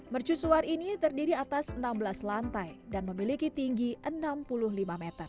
mercusuar ini terdiri atas enam belas lantai dan memiliki tinggi enam puluh lima meter